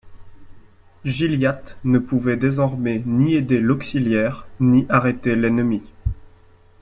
Gilliatt ne pouvait désormais ni aider l’auxiliaire, ni arrêter l’ennemi.